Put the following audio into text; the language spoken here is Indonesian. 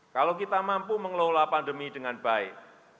kalau kita mampu mengelola pandemi dengan baik